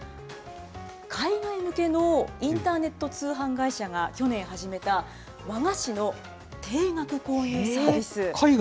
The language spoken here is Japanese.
海外向けのインターネット通販会社が去年始めた、和菓子の定額購入サービス。